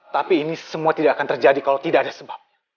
tapi ini semua tidak akan terjadi kalau tidak ada sebabnya